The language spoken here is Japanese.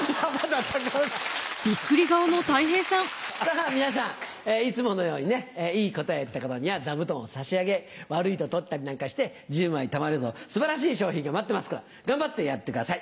さぁ皆さんいつものようにねいい答えを言った方には座布団を差し上げ悪いと取ったりなんかして１０枚たまると素晴らしい賞品が待ってますから頑張ってやってください。